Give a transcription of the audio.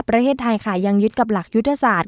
ประเทศไทยค่ะยังยึดกับหลักยุทธศาสตร์